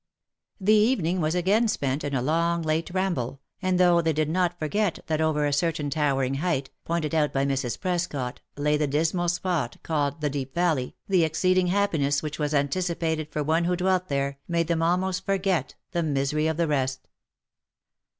The evening was again spent in a long late ramble, and though they did not forget that over a certain towering height, pointed out by Mrs. Prescot, lay the dismal spot called the Deep Valley, the exceeding happiness which was anticipated for one who dwelt there, made them almost forget the misery of the rest.